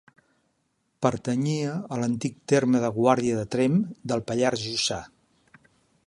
Pertanyia a l'antic terme de Guàrdia de Tremp, del Pallars Jussà.